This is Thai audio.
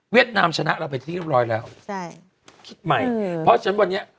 นามชนะเราไปที่เรียบร้อยแล้วใช่คิดใหม่เพราะฉะนั้นวันนี้